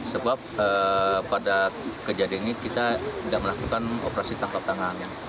sebab pada kejadian ini kita tidak melakukan operasi tangkap tangan